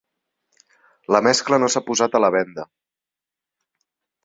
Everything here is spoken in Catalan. La mescla no s'ha posat a la venda.